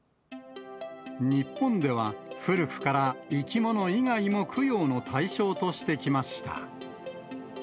日本では古くから生き物以外も供養の対象としてきました。